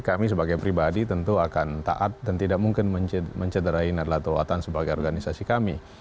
kami sebagai pribadi tentu akan taat dan tidak mungkin mencederai nadlatul watan sebagai organisasi kami